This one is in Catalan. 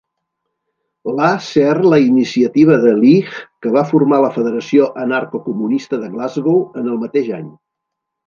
La ser la iniciativa de Leech que va formar la Federació anarcocomunista de Glasgow en el mateix any.